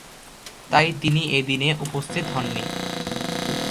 তাই তিনি এ দিনে উপস্থিত হননি।